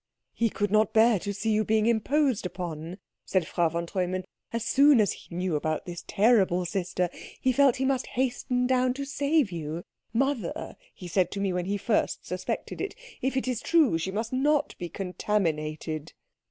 "He could not bear to see you being imposed upon," said Frau von Treumann. "As soon as he knew about this terrible sister he felt he must hasten down to save you. 'Mother,' he said to me when first he suspected it, 'if it is true, she must not be contaminated.'"